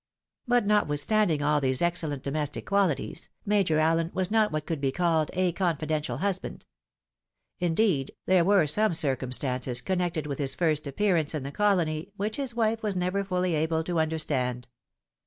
But, notwithstanding all these excellent domestic qualities, Major Allen was not what could be called a confidential hus band. Indeed, there were some circumstances connected with his first appearance in the colony, which his wife was never fuUy able to understand.